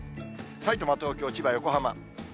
さいたま、東京、千葉、横浜。